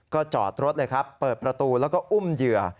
ก็จอดรถเลยครับเปิดประตูแล้วก็อุ้มเหยื่อ